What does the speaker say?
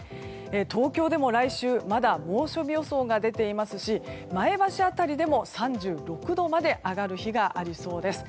東京でも来週まだ猛暑日予想が出ていますし前橋辺りでも３６度まで上がる日がありそうです。